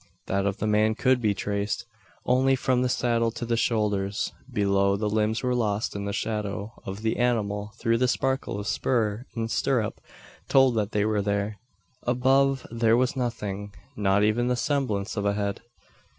That of the man could be traced only from the saddle to the shoulders. Below, the limbs were lost in the shadow of the animal though the sparkle of spur and stirrup told that they were there. Above, there was nothing not even the semblance of a head!